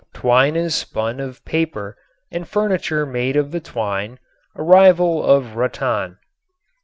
Twine is spun of paper and furniture made of the twine, a rival of rattan.